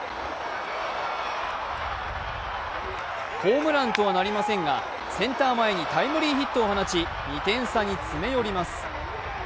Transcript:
ホームランとはなりませんがセンター前にタイムリーヒットを放ち２点差に詰め寄ります。